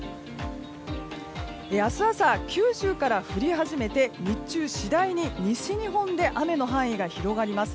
明日朝、九州から降り始めて日中、次第に西日本で雨の範囲が広がります。